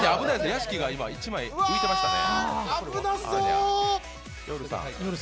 屋敷が１枚浮いていましたね。